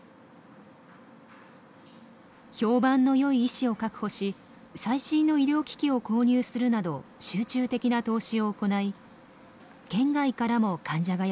評判のよい医師を確保し最新の医療機器を購入するなど集中的な投資を行い県外からも患者がやって来るといいます。